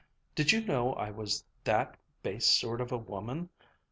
Did you know I was that base sort of a woman?